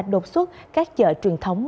đột xuất các chợ truyền thống